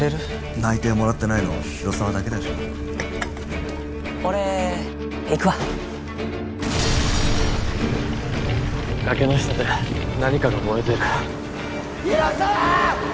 ・内定もらってないの広沢だけだし俺行くわ崖の下で何かが燃えてる広沢！